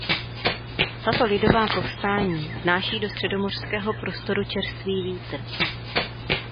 Tato lidová povstání vnáší do středomořského prostoru čerstvý vítr.